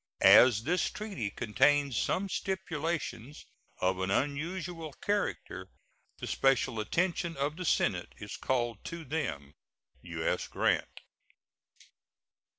As this treaty contains some stipulations of an unusual character, the special attention of the Senate is called to them. U.S. GRANT.